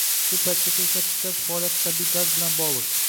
Shu paytgacha ishlab chiqarish faoliyati tabiiy gaz bilan bogʻliq